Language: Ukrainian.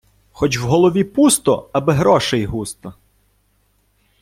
хоч в голові пусто, аби гроший густо